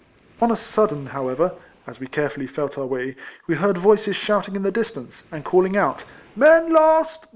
On a sudden, however (as we carefully felt our way), we heard voices shouting in the distance, and calling out " Men lost